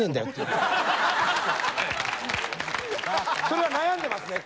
それは悩んでますね。